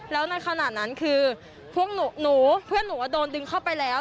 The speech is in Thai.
แล้วในขณะนั้นคือพวกหนูเพื่อนหนูโดนดึงเข้าไปแล้ว